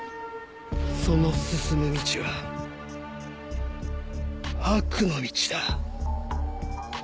その進む道は悪の道だ。